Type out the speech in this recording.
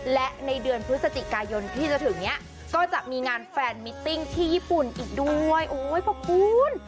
และในเดือนพฤศจิกายนที่จะถึงเนี้ยก็จะมีงานแฟนมิตติ้งที่ญี่ปุ่นอีกด้วยโอ้ยพระคุณ